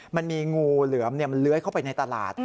มันมีงูเหลือมมันเลื้อยเข้าไปในตลาด